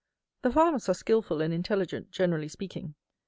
The farmers are skilful and intelligent, generally speaking.